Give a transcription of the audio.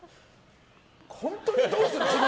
本当にどうするの？